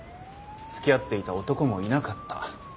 付き合っていた男もいなかった。